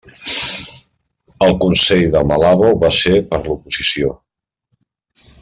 El Consell de Malabo va ser per a l'oposició.